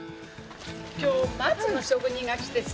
今日マツの職人が来てさ。